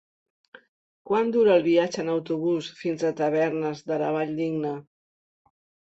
Quant dura el viatge en autobús fins a Tavernes de la Valldigna?